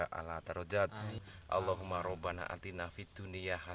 dan berlangganan untuk melihat video terbaru